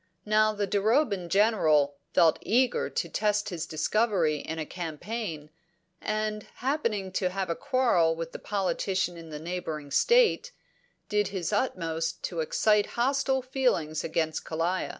Now the Duroban General felt eager to test his discovery in a campaign, and, happening to have a quarrel with a politician in the neighbouring state, did his utmost to excite hostile feeling against Kalaya.